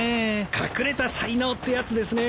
隠れた才能ってやつですね。